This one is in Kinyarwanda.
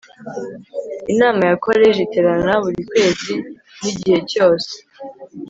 Inama ya Koleji iterana buri kwezi n igihe cyose